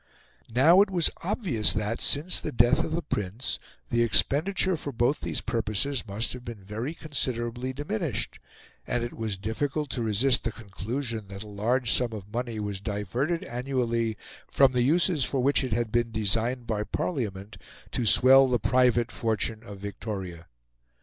Now it was obvious that, since the death of the Prince, the expenditure for both these purposes must have been very considerably diminished, and it was difficult to resist the conclusion that a large sum of money was diverted annually from the uses for which it had been designed by Parliament, to swell the private fortune of Victoria.